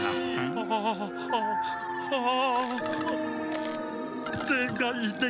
ああああああ！